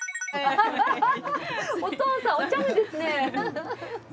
お父さんお茶目ですね。